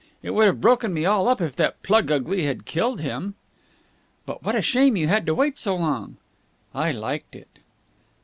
It would have broken me all up if that plug ugly had killed him." "But what a shame you had to wait so long." "I liked it."